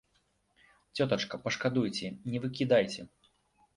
Цётачка, пашкадуйце, не выкідайце.